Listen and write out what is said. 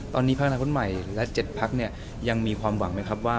ตอนนี้ภาคละพุทธใหม่และ๗ภักดิ์เนี่ยยังมีความหวังไหมครับว่า